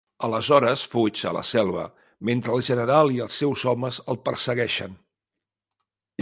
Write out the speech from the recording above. Aleshores fuig a la selva mentre el general i els seus homes el persegueixen.